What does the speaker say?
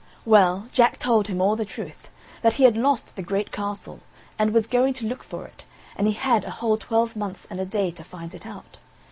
Well, Jack told him all the truth, that he had lost the great castle, and was going to look for it, and he had a whole twelvemonths and a day to find it out.